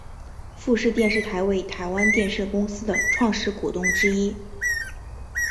富士电视台为台湾电视公司的创始股东之一。